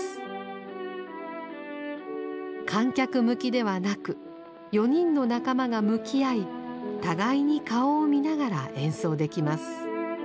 観客向きではなく４人の仲間が向き合い互いに顔を見ながら演奏できます。